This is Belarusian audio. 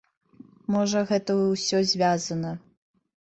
Можа, гэта ўсё звязана.